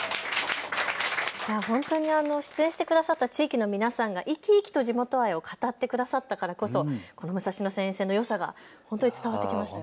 出演してくださった地域の皆さんが生き生きと地元愛を語ってくださったからこそ武蔵野線沿線のよさが伝わってきましたね。